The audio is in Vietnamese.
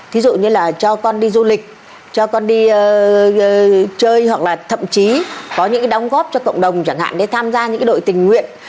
thí dụ như là cho con đi du lịch cho con đi chơi hoặc là thậm chí có những đóng góp cho cộng đồng chẳng hạn như tham gia những đội tình nguyện